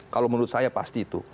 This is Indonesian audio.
kalau menurut saya pasti itu